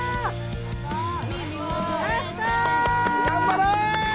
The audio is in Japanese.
頑張れ！